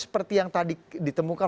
seperti yang tadi ditemukan